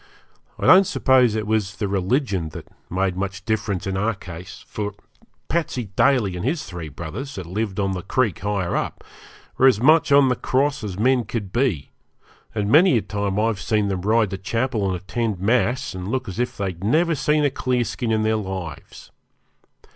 I don't suppose it was the religion that made much difference in our case, for Patsey Daly and his three brothers, that lived on the creek higher up, were as much on the cross as men could be, and many a time I've seen them ride to chapel and attend mass, and look as if they'd never seen a 'clearskin' in their lives.